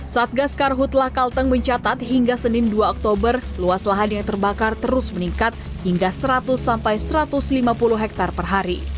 satgas karhutlah kalteng mencatat hingga senin dua oktober luas lahan yang terbakar terus meningkat hingga seratus sampai satu ratus lima puluh hektare per hari